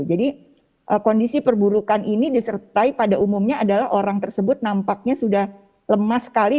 kondisi perburukan ini disertai pada umumnya adalah orang tersebut nampaknya sudah lemah sekali